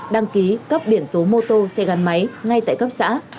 đăng ký cấp biển số mô tô xe gắn máy ngay tại cấp xã